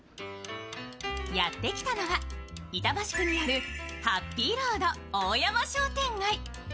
やってきたのは板橋区にあるハッピーロード大山商店街。